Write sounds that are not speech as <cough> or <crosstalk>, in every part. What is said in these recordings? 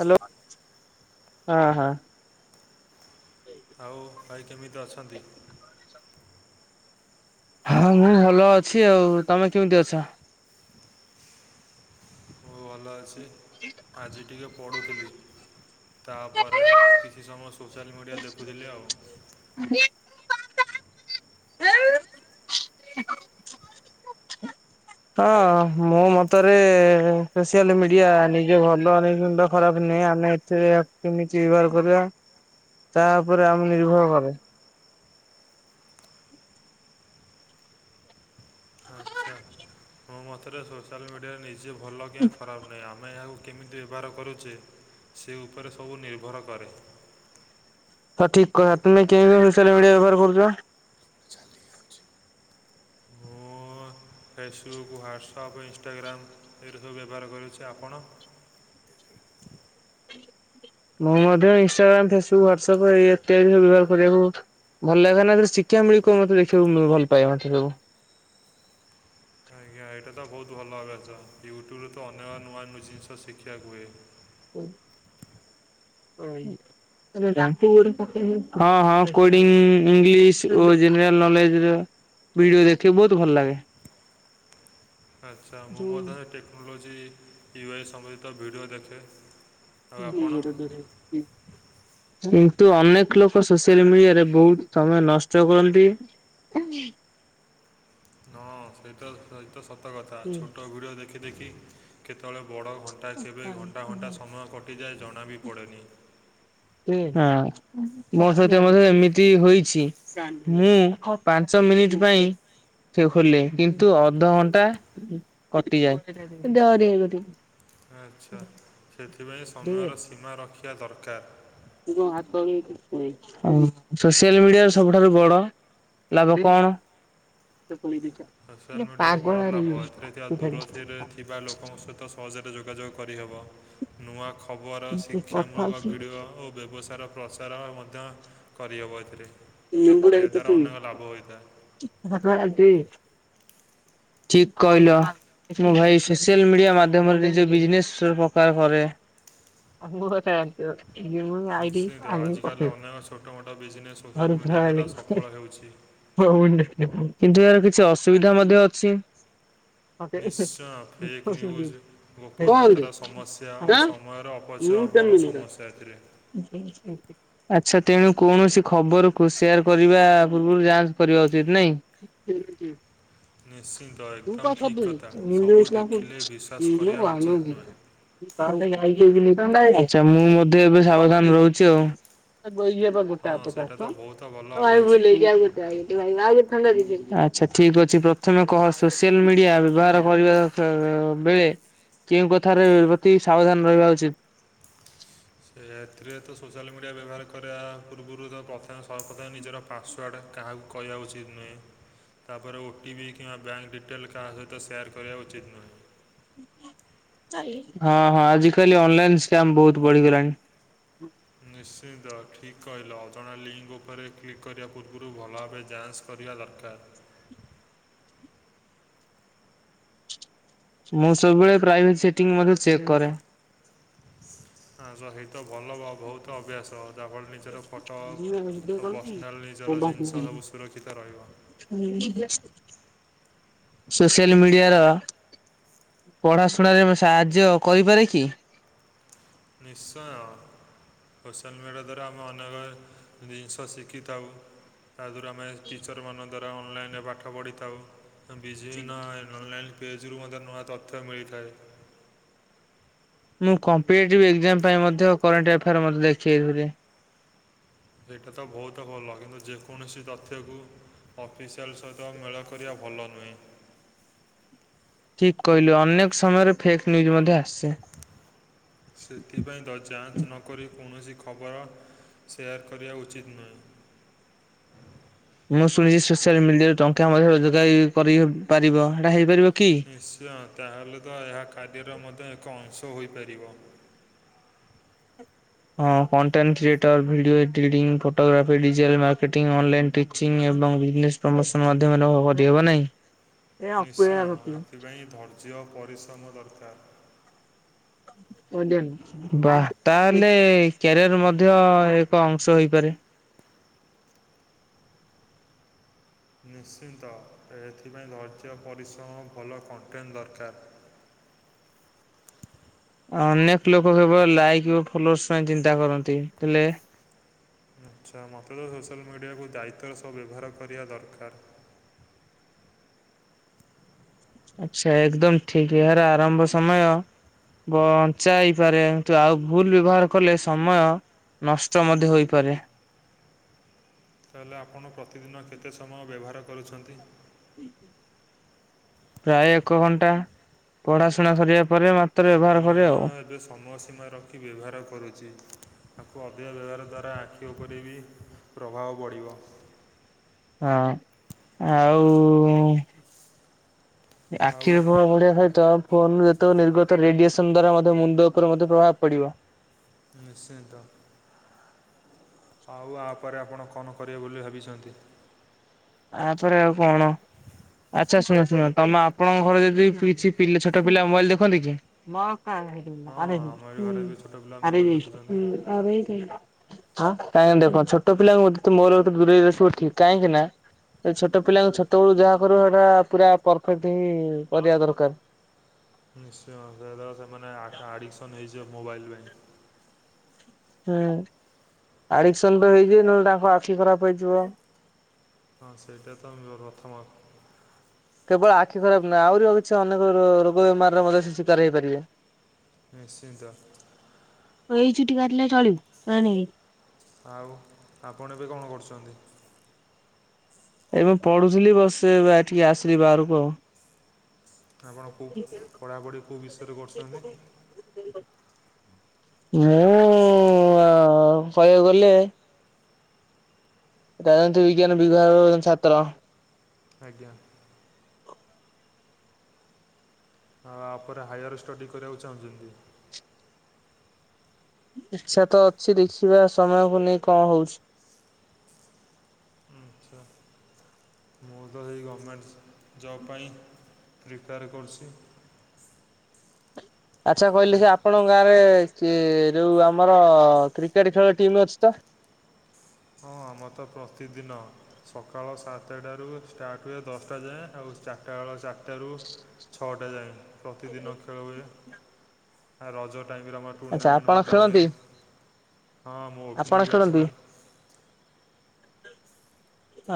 Hello ହଁ ହଁ। ଆଉ ଭାଇ କେମିତି ଅଛନ୍ତି? ହଁ ମୁଁ ଭଲ ଅଛି ଆଉ। ତମେ କେମିତି ଅଛ? ମୁଁ ଭଲ ଅଛି। ଆଜି ଟିକେ ପଢ଼ୁଥିଲି। ତାପରେ, କିଛି ସମୟ ସୋସିଆଲ ମିଡ଼ିଆ ଦେଖୁଥିଲି ଆଉ। ହଁ ମୋ ମତରେ ସୋସିଆଲ ମିଡିଆ ନିଜେ ଭଲ ଆଉ ମୁଣ୍ଡ ଖରାପ ଆମେ ଏଥିରେ ଆକୁ କେମିତି ବ୍ୟବହାର କରିବା। ତା ଉପରେ ଆମେ ନିର୍ଭର କରେ। ଆଚ୍ଛା ମୋ ମତରେ ସୋସିଆଲ୍ ମିଡ଼ିଆ ନିଜେ ଭଲ କି ଖରାପ ନାହିଁ। ଆମେ ଏହାକୁ କେମିତି ବ୍ୟବହାର କରୁଛେ, ସେ ଉପରେ ସବୁ ନିର୍ଭର କରେ। ହଁ ଠିକ କହ ତୁମେ କେମତି ସୋସିଆଲ ମିଡିଆ ବ୍ୟବହାର କରୁଚ? ମୁଁ ଫେସବୁକ୍, ହ୍ଵାଟ୍ସଆପ୍, ଇନଷ୍ଟାଗ୍ରାମ୍ ଏଇଟା ସବୁ ବ୍ୟବହାର କରୁଚି। ଆପଣ? <inaudible> ମୁଁ ମଧ୍ୟ ଇନଷ୍ଟାଗ୍ରାମ, ଫେସବୁକ୍, ହ୍ୱାଟସପ୍ ଇତ୍ୟାଦି ବ୍ୟବହାର କରିବାକୁ ଭଲ ଲାଗେ, ନାରେ ଶିକ୍ଷା ଭିତିକ ମତେ ଦେଖିବାକୁ ଭଲ ପାଏ ମତେ ସବୁ। ଆଜ୍ଞା। ଏଇଟା ତ ବହୁତ ଭଲ ଅଭ୍ୟାସ, ୟୁଟ୍ୟୁବରେ ତ ଅନେକ ନୂଆ ନୂଆ ଜିନିଷ ଶିଖିବାକୁ ହୁଏ। ହଁ ହଁ। ହଁ ହଁ କୋଡିଂ ଇଂଲିଶ ଓ ଜେନେରାଲ ନଲେଜ। ଭିଡିଓ ଦେଖିବ ବହୁତ ଭଲ ଲାଗେ। <inaudible> ଆଚ୍ଛା ମୁଁ ମଧ୍ୟରେ ଟେକ୍ନୋଲୋଜି, ୟୁ ଆଇ ସମ୍ବନ୍ଧିତ ଭିଡ଼ିଓ ଦେଖେ। ଆଉ ଆପଣ <unintelligible> କିନ୍ତୁ ଅନେକ ଲୋକ, ସୋସିଆଲ ମିଡିଆରେ ବହୁତ ସମୟ ନଷ୍ଟ କରନ୍ତି। ହୁଁ ହଁ, ସେ ତ ସେଇ ତ ସତ କଥା। ଛୋଟ ଭିଡିଓ ଦେଖି ଦେଖି କେତେବେଳେ ବଡ଼ ଘଣ୍ଟା, କେବେ ଘଣ୍ଟା ଘଣ୍ଟା ସମୟ କଟିଯାଏ, ଜଣା ବି ପଡ଼େନି। ହଁ ମୋ ସହିତ ମଧ୍ୟ ଏମିତି ହୋଇଛି। ମୁଁ ପାଞ୍ଚ ମିନିଟ୍ ପାଇଁ ସେ ଖୋିଲ କିନ୍ତୁ ଅଧଘଣ୍ଟା କଟିଯାଏ। ଆଚ୍ଛା! ସେଥିପାଇଁ, ସମୟର ସୀମା ରଖିବା ଦରକାର। ସୋସିଆଲ ମିଡିଆର ସବୁଠାରୁ ବଡ଼ ଲାଭ କଣ? ସୋସିଆଲ୍ ମିଡ଼ିଆକୁ ବଡ଼ ଲାଭ, ଏଥିରେ ଥିବା ଦୂରରେ ଥିବା ଲୋକଙ୍କ ସହିତ ଫଜରେ ଯୋଗାଯୋଗ କରିହେବ। ନୂଆ ଖବର, ଠିକ ଶିକ୍ଷାମୂଳକ କହିଲ। ଭିଡ଼ିଓ ଓ ବ୍ୟବସାୟ, ପ୍ରଚାର ମଧ୍ୟ କରିହବ ଏଥିରେ। ନିମ୍ବୁଡ଼ା ଗୀତ ଏହାଦ୍ୱାରା ଅନେକ ଲାଭ ହୋଇଥାଏ <unintelligible> <inaudible> ଠିକ କହିଲ ମୁଁ ଭାଇ ସୋସିଆଲ ମିଡିଆ ମାଧ୍ୟମରେ ନିଜ ବିଜନେସ ପ୍ରକାର କରେ। ବହୁ ଖନ୍ତି <unintelligible> ନିଶ୍ଚିନ୍ତ ଆଜି କାଲି ଅନେକ ଛୋଟ ମୋଟ ବିଜନେସ୍ ସୋସିଆଲ୍ ମର ମିଡ଼ିଆ ଦ୍ୱାରା ସଫଳ ହେଉଛି ହଉଣ୍ଡ <unintelligible> କିନ୍ତୁ ଏହାର କିଛି ଅସୁବିଧା ମଧ୍ୟ ଅଛି। ନିଶ୍ଚୟ ଫେକ୍ ନ୍ୟୁଜ୍ କୁହନ୍ତୁ। ଗୋପନୀୟତାର ସମସ୍ୟା ଓ ସମୟର ଅପଚୟ ଆଉ ବଡ଼ ସମସ୍ୟା ଏ ଥିରେ। ଆଛା ତେଣୁ କୌଣସି ଖବରକୁୁ ସେୟାର କରିବା ପୂର୍ବରୁ ଯାଞ୍ଚ କରିବା ଉଚିତ ନାଇଁ। ନିଶ୍ଚିନ୍ତ ଏକଦମ ଠିକ୍ କଥା ସବୁ ଦେଖିଲେ ବିଶ୍ୱାସ କରିବା ଉଚିତ ନୁହେଁ। ତାହେଲେ ଆଛା ମୁଁ ମଧ୍ୟ ଏବେ ସାବଧାନ ରହୁଛି ଆଉ। ପଗୁ ହଁ ସେଇଟା ତ ବହୁତ ଭଲ ଆ ଗ ଅଭ୍ୟାସ <unintelligible> ହ୍ୟାଲ ଦିଦି ଆଛା ଠିକ ଅଛି ପ୍ରଥମେ କହ ସୋସିଆଲ ମିଡିଆ ବ୍ୟବହାର କରିବା ବେଳେ କେଉଁ କଥାରେ ପ୍ରତି ସାବଧାନ ରହିବା ଉଚିତ୍? <inaudible> ସେ ଏଥିରେ ତ ସୋସିଆଲ ମିଡ଼ିଆ ବ୍ୟବହାର କରିବା ପୂର୍ବରୁ ତ ପ୍ରଥମେ ସର୍ବପ୍ରଥମେ ନିଜର ପାସ୍ୱାର୍ଡ଼ କାହାକୁ କହିବା ଉଚିତ୍ ନୁହେଁ। ତାପରେ ଓଟି ପି କିମ୍ବା ବ୍ୟାଙ୍କ ଡିଟେଲ୍ କାହା ସହିତ ସେୟାର କରିବା ଉଚିତ୍ ନୁହେଁ। ହଁ ହଁ ଆଜିିକାଲି ଅନଲାଇନସ୍ୟାମ ବହୁତ ବଢିଗଲାଣି। ନିଶ୍ଚନ୍ତ ଠିକ୍ କହିଲ ଅଜଣା ଲିଙ୍କ ଉପରେ କ୍ଲିକ୍ କରିବା ପୂର୍ବରୁ ଭଲ ଭାବେ ଯାଞ୍ଚ କରି କରିବା ଦରକାର। ମୁଁ ସବୁବେଳେ ପ୍ରାଇଭେଟ ସେଟିଂ ମଧ୍ୟ ଚେକ୍ କରେ। ତା ସହିତ ଭଲ ବା ବୋହୁତ ଅଭ୍ୟାସ ଆପଣ ନିଜର ଫଟ ପର୍ସନାଲ୍ ନିଜର ଜିନିଷ ସବୁ ସୁରକ୍ଷିତ ରହିବ। <unintelligible> <inaudible> ସୋସିଆଲ ମିଡିଆ ର ପଢାଶୁଣାରେ ମୁଁ ସାହାଯ୍ୟ କରିପାରେ କି? ନିଶ୍ଚୟ। ସୋସିଆଲ ମିଡ଼ିଆ ଦ୍ୱାରା ଆମେ ଅନେକ ଜିନିଷ ଶିଖିଥାଉ। ତାଦ୍ଵାରା ଆମେ ଟିଚରମାନଙ୍କ ଦ୍ୱାରା ଅନଲାଇରେ ପାଠ ପଢ଼ିଥାଉ। ବିଜୟୀନ ଏଣ୍ଡରଲାଇନ୍ ପେଜରୁୁ ମଧ୍ୟ ନୂଆ ତଥ୍ୟ ମିଳିଥାଏ। ମୁଁ କମ୍ପିଟେଟିଭ୍ ଏକ୍ଜାମ ପାଇଁ ମଧ୍ୟ କରେଣ୍ଟ ଏଫେୟାର୍ ମତେ ଦେଖେଇଥିଲେ। ସେଇଟା ତ ବହୁତ ଭଲ କିନ୍ତୁ ଯେକୌଣସି ତଥ୍ୟକୁ ଅଫିସିଆଲ ସହିତ <unintelligible> କରିବା ଭଲ ନୁହେଁ। ଠିକ୍ କହିଲେ ଅନେକ ସମୟରେ ଫେକ୍ ନ୍ୟୁଜ୍ ମଧ୍ୟ ଆସେ। ସେଥିପାଇଁ ତ ଯାଞ୍ଚ ନ କରି କୌଣସି ଖବର ସେୟାର କରିବା ଉଚିତ ନୁହେଁ। ମୁଁ ଶୁଣିଛି ସୋସିଆଲ ମିଡିଆରେ ଟଙ୍କା ମଧ୍ୟ ରୋଜଗାର ହେଇ କରିପାରିବ ହେଟା ହେଇପାରିବ କି? ନିଶ୍ଚୟ ତାହେଲେ ତ ଏହା ଖାଦ୍ୟର ମଧ୍ୟ ଏକ ଅଂଶ ହୋଇପାରିବ। ହଁ content creator video editing photography digital marketing online teaching ଏ ଏବଂ ବିଜନେଶ୍ ପ୍ରମୋସନ ମାଧ୍ୟମରେ ହବ ନାହିଁ <unintelligible> ନିଶ୍ଚୟ ଏଥିପାଇଁ ଧୈର୍ଯ୍ୟ ପରିଶ୍ରମ ଦରକାର। <inaudible> <unintelligible> ତାଏଲେ କ୍ୟାରିୟର ମଧ୍ୟ ଏକ ଅଂଶ ହୋଇପାରେ। <inaudible> ନିଶ୍ଚିନ୍ତ ଏଥିପାଇଁ ଧୈର୍ଯ୍ୟ ପରିଶ୍ରମ ଭଲ କଣ୍ଟେଣ୍ଟ ଦରକାର। <inaudible> ଅନେକ ଲୋକ କେବଳ ଲାଇକ୍ ଓ ଫଲୋର୍ସ ପାଇଁ ଚିନ୍ତା କରନ୍ତି ହେଲେ ଆଚ୍ଛା ମୋତେ ତ ସୋସିଆଲ ମିଡ଼ିଆକୁ ଦାୟିତ୍ୱର ସହ ବ୍ୟବହାର କରିବା ଦରକାର। <inaudible> ଆଚ୍ଛା ଏକଦମ ଠିକ୍ ଏହାର ଆରମ୍ଭ ସମୟ ବଞ୍ଚା ହେଇପାରେ କିନ୍ତୁ ଆଉ ଭୁଲ ବ୍ୟବହାର କଲେ ସମୟ ନଷ୍ଟ ମଧ୍ୟ ହୋଇପାରେ। <inaudible> ତାହେଲେ ଆପଣ ପ୍ରତିଦିନ କେତେ ସମୟ ବ୍ୟବହାର କରୁଛନ୍ତି? ପ୍ରାୟ ଏକ ଘଣ୍ଟା ପଢ଼ାଶୁଣା ସରିବା ପରେ ମାତ୍ର ତ ମୁଁ ବ୍ୟବହାର କରେ ମଧ୍ୟ ଆଉ। ଏବେ ସମୟ ସୀମା ରଖି ବ୍ୟବହାର କରୁଛି ଅଧିକ ବ୍ୟବହାର ଦ୍ୱାରା ଆଖି ଉପରେ ବି ପ୍ରଭାବ ପଡ଼ିବ। ହଁ ଆଉ ଆଉ ଆଖି <unintelligible> ଫୋନରୁ ଯେତେବେ ନିର୍ଗତ ରେଡିଏସନ ଦ୍ଵାରା ମଧ୍ୟ ମୁଣ୍ଡ ଉପରେ ମଧ୍ୟ ପ୍ରଭାବ ପଡ଼ିବ। ନିଶ୍ଚିତ। ଆଉ ଆ ପରେ ଆପଣ କଣ କରିବେ ବୋଲି ଭାବିଛନ୍ତି। ଆ ଛଡ଼ା ଆଉ କଣ। ଆଚ୍ଛା ଶୁଣ ଶୁଣ ତମେ ଆପଣଙ୍କ ଘରେ ଯଦି କିଛି ଛୋଟ ପିଲା ମୋବାଇଲ ଦେଖନ୍ତି କି। ଆରାଇ ହଁ ଆମରି ଦେଇଛ ଘରେ ବି ଛୋଟ ପିଲା ଅରାଇ ମୋବାଇଲ୍ ଦେଇଛୁ। ଦେଖୁଛନ୍ତି <unintelligible> ହଁ କାହିଁକିନା ଦେଖ ଛୋଟ ପିଲାଙ୍କୁ ଯେତେ <unintelligible> ମୋବାଇଲ୍ ଠାରୁ ଦୂରେଇ ରଖିବ ଠିକ କାହିଁକି ନା ଏ ଛୋଟ ପିଲାଙ୍କୁ ଛୋଟ ବେଳୁ ଯାହା କରିବ। ସେଟା ପୁରା ପରଫେକ୍ଟ ହିଁ କରିବା ଦରକାର। ନିଶ୍ଚୟ <unintelligible> ସେମାନେ ଆର୍ଟ-ଆଡିକସନ ହେଇଯିବ ମୋବାଇଲ ପାଇଁ। ହୁଁ ଆଡିକସନ ହେଇଯିବ ନହଲେ ତାଙ୍କ ଆଖି ଖରାପ ହେଇଥିବ। ହଁ ସେଇଟା ତର ରଥ ମା- କେବଳ ଆଖି ଖରାପ ନାହଁ ଆହୁରିଉ କିଛି ଅନେକ ରୋଗ ବେମାରରେ ମଧ୍ୟ ସେ ଶିକାର ହେଇପାରିବେ। ନିଶ୍ଚିନ୍ତ। ଏଇ ଚୁଟି କାଟିଲେ ଚଳିବୁ କ ନେଇ- ଆଉ ଆପଣ ଏବେ କଣ କରୁଛନ୍ତି? ଏବେ ପଢୁଥିଲି ବସ ଏଠିକି ଆସିଲି ବାହାରକୁ ଆଉ। ଆପଣ କଉ ପଢ଼ାପଢ଼ି କେଉଁ ବିଷୟରେ କରୁଛନ୍ତି? ମୁଁ ଆ କହିବାକୁ ଗଲେ- ରାଜନୀତି ବିଜ୍ଞାନ ବିଭାଗର ଛାତ୍ର। ଆଜ୍ଞା। ଆଉ ଆପରେ ହାୟାର ଷ୍ଟଡି କରିବାକୁ ଚାହୁଁଛନ୍ତି। ଇଛା ତ ଅଛି ଦେଖିବା ସମୟକୁ ନେଇ କଣ ହଉଛି। ହୁଁ। ଆଚ୍ଛା ମୁଁ ତ ସେଇ ଗଭର୍ଣ୍ଣମେଣ୍ଟ ଜବ୍ ପାଇଁ- ପ୍ରିପେଆର କରୁଛି। ଆଚ୍ଛା କହିଲେ ସେ ହଁ ଆପଣଙ୍କ ଗାଁ ରେ- କି ଯୋଉ ଆମର କ୍ରିକେଟ ଖେଳ ଟିମ୍ ଅଛି ତ। ହଁ ଆମର ତ ପ୍ରତିଦିନ ସକାଳ ସାତଟାରୁ ଷ୍ଟାର୍ଟ ହୁଏ ଦଶଟା ଯାଏଁ ଆଉ। ଚାରିଟା ବେଳ ଚାରିଟାରୁ ଛଅଟା ଯାଏ ପ୍ରତିଦିନ ଖେଳ ହୁଏ। ଆ ରଜ ଟାଇମରେ ଆମର ଆଚ୍ଛା ଟୁର୍ଣ୍ଣାମେଣ୍ଟ ଆପଣ ମଧ୍ୟ ହୁଏ। ଖେଳନ୍ତି ହଁ ମୁଁ ଓପନିଂ ବ୍ୟାଟ୍ସମ୍ୟାନ୍।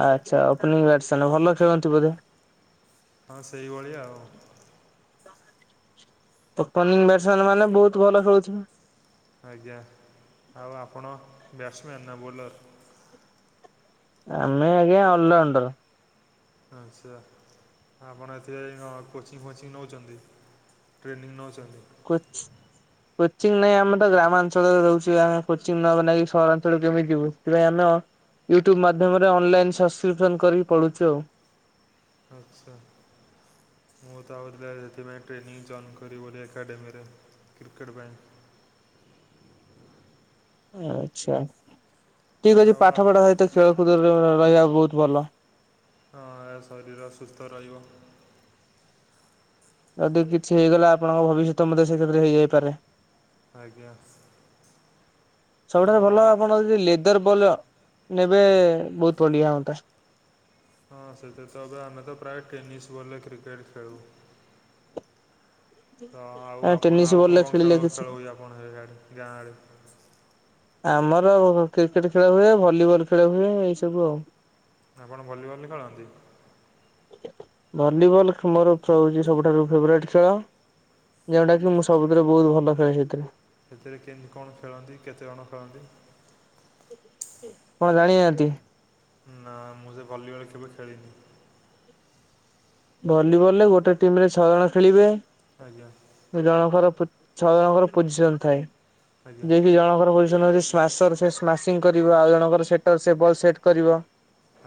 ଆଛା ଓପନିଂ ବ୍ୟାଟସ ମେନ୍ ଭଲ ଖେଳନ୍ତି ବୋଧେ? ହଁ ସେଇ ଭଳିଆ ଆଉ। ଓପନିଂ ବ୍ୟାଡ଼ଶମ୍ୟାନ ମାନେ ବହୁତ ଭଲ ଖେଳୁଥିବେ। ଆଜ୍ଞା ଆଉ ଆପଣ ବ୍ୟାଟ୍ସମ୍ୟାନ୍ ନା ବୋଲର? ଆମେ ଆଜ୍ଞା ଅଲ୍ରାଉଣ୍ଡର। ଆଚ୍ଛା ଆପଣ ଏଥିରେ ଯାଇଁକି କଣ କୋଚିଂ ଫୋଚିଂ ନେଉଚନ୍ତି? ଟ୍ରେନିଂ ନଉଚନ୍ତି? କୋଚି କୋଚିଂ ନାହିଁ ଆମେ ତ ଗ୍ରାମାଞ୍ଚଳରେ ରହୁଚୁ ଆମେ କୋଚିଂ ନବା ନାଗି ସହରାଞ୍ଚଳକୁ କେମିତି ଯିବୁ ସେଥିପାଇଁ ଆମେ ୟୁଟ୍ୟୁବ ମାଧ୍ୟମରେ ଅନଲାଇନ୍ ସବସ୍କ୍ରିପସନ୍ କରିକି ପଢୁଛୁ ଆଉ। ଆଚ୍ଛା। ମୁଁ ତ ଆହୁରି ସେଥିପାଇଁ ଟ୍ରେନିଂ ଯଏନ୍ କରି ବୋଲି ଏକାଡେମରେ କ୍ରିକେଟ ପାଇଁ। ଆଚ୍ଛା ଠିକ ଅଛି ଆଉ ପାଠ ପଢା ସହିତ ଖେଳକୁଦରେ ରହିବା ବହୁତ ଭଲ। ହଁ ଶରୀର ସୁସ୍ଥ ରହିବ। ଯଦି କିଛି ହେଇଗଲା ଆପଣଙ୍କ ଭବିଷ୍ୟତ ମଧ୍ୟ ସେ ଥିରେ ହେଇଯାଇପାରେ। ଆଜ୍ଞା ସବୁଠାରୁ ଆଉ ଭଲ ଆପ ଆପଣ ଯଡି ଲେଦର ବଲ ନେବେ ବହୁତ ବଢିଆ ହୁଅନ୍ତା। ହଁ ସେଥିରେ ଫେରେ ଖେଳୁ। ତ ଆଉ ଆପଣ ଟେନିସ ଆଉ କଣ ବଲରେ କଣ ଖେଳ ଖେଳିଲେ କିଛି ଖେଳ ହୁଏ ଆପଣ ସେ ଆଡେ ଗାଁ ଆଡେ? ଆମର କ୍ରିକେଟ ଖେଳ ହୁଏ ଭଲିବଲ ଖେଳ ହୁଏ ଏଇ ସବୁ ଆଉ। ଆପଣ ଭଲିବଲ୍ ଖେଳନ୍ତି ଭଲିବଲ ମୋର ହୋଉଛି ସବୁଠାରୁ ଫେବରାଇଟ୍ ଖେଳ ଯେଉଟା କି ମୁଁ ଆଚ୍ଛା ସବୁଥିରେ ବହୁତ ଭଲ ଖେଳେ ସେଥିରେ। ସେଥିରେ କେମିତି କଣ ଖେଳନ୍ତି କେତେ ଜଣ ଖେଳନ୍ତି? ଆପଣ ଜାଣିନାହାନ୍ତି? ନା ମୁଁ ସେ ଭଲିବଲ୍ କେବେ ଖେଳିନି। ଭଲିବଲ୍ ରେ ଗୋଟେ ଟିମ୍ ରେ ଛଅ ଜଣ ଖେଳିବେ। ଆଜ୍ଞା ରଫର ଫୁ ଛଅ ଜଣଙ୍କର ପୋଜିସନ୍ ଥାଏ। ଆଜ୍ଞା ଯିଏ କିି ଜଣଙ୍କର ପୋଜିସନ୍ ହଉଚି ସି ମାସର ସେ ସ୍ମାସିଙ୍ଗ କରିବ। ଆଉ ଜଣଙ୍କର ସେଟର ସେ ବଲ ସେଟ୍ କରିବ।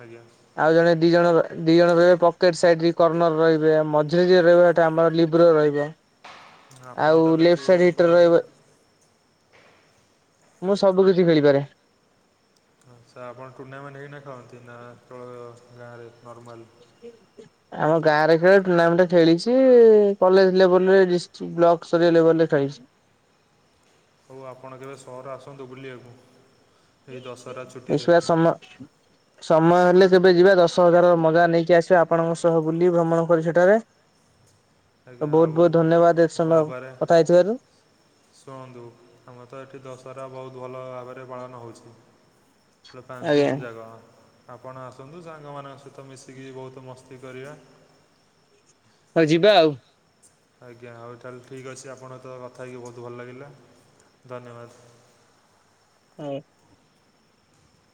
ଆଜ୍ଞା ଆଉ ଜଣେ ଦି ଜଣ ର-ଦି ଜଣ ରହିବେ ପକେଟ୍ ସାଇଡ୍। କର୍ଣ୍ଣର୍ ରହିବେ ମଝିରେ ଯିଏ ରହିବ ସେଟା ଆମର ଲିବ୍ ର ରହିବ। ଆପଣ ଆଉ ତାହେଲେ ଲେଫ୍ଟ କେଉଁ ସାଇଡ ରୋଲ୍ ହିଟ୍ ର କରନ୍ତି ରହିବ। ମୁଁ ସବୁ କିଛି ଖେଳିପାରେ। ଆଚ୍ଛା ଆପଣ ଟୁର୍ଣ୍ଣାମେଣ୍ଟ ହେଇନା ଖେଳନ୍ତି ନା କେବଳ ଗାଁରେ ନର୍ମାଲ? ଆମ ଗାଁରେ ଖେଳେ। ଟୁର୍ଣ୍ଣାମେଣ୍ଟ ଖେଳିଛି। କଲେଜ୍ ଲେବଲ୍ ରେ ଡିଷ୍ଟ୍ରିକ୍ ବ୍ଲକ ସ୍ତରୀୟ ଲେବଲ୍ ରେ। ଖେଳିଛି। ହଉ ଆପଣ କେବେ ସହର ଆସନ୍ତୁ ବୁଲିବାକୁ। ଏଇ ଦଶହରା ଛୁଟିରେ ଏସୁଆ ସମ ସମୟ ହେଲେ ଯେବେ ଯିବା ଦଶ ହଜାର ମଜା ନେଇକି ଆସିବା ଆପଣଙ୍କ ସହ ବୁଲି ଭ୍ରମଣ କରି ସେଠାରେ। ତ ଆଜ୍ଞା ବହୁତ ଆଉ ବହୁତ ଧନ୍ୟବାଦ ଏତ ସମୟ ତାପରେ କଥା ହେଇଥିବାରୁ। ଶୁଣନ୍ତୁ ଆମର ତ ଏଠି ଦଶହରା ବହୁତ ଭଲ ଭାବ ରେ ପାଳନ ହଉଛି ପୁରା ପାଞ୍ଚ ଆଜ୍ଞା ଦିନ ଯାଗ। ଆପଣ ଆସନ୍ତୁ ସାଙ୍ଗମାନଙ୍କ ସହିତ ମିଶିକି ବହୁତ ମସ୍ତି କରିବା। ହଁ ଯିବା ଆଉ। ଆଜ୍ଞା ହଉ ତାହେଲେ ଠିକ୍ ଅଛି ଆପଣ ତ କଥା ହେଇକି ବହୁତ ଭଲ ଲାଗିଲା। ଧନ୍ୟବାଦ। ହଉ।